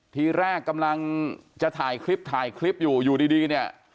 ทีแรกกำลังจะถ่ายคลิปถ่ายคลิปอยู่อยู่ดีเนี่ย